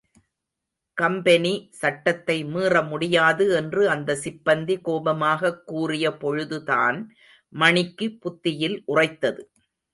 Company சட்டத்தை மீற முடியாது என்று அந்த சிப்பந்தி கோபமாகக் கூறிய பொழுதுதான் மணிக்கு புத்தியில் உறைத்தது.